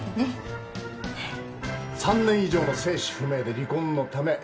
３年以上の生死不明で離婚のためすぐに入籍。